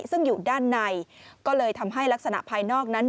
ซึ่งอยู่ด้านในก็เลยทำให้ลักษณะภายนอกนั้น